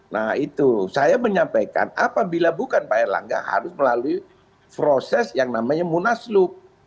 nah itu saya menyampaikan apabila bukan pak erlangga harus melalui proses yang namanya munaslup